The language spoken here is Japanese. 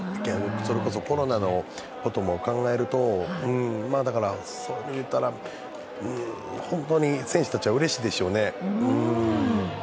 それこそコロナのことも考えると、だからそういう意味で言ったら本当に選手たちはうれしいでしょうね。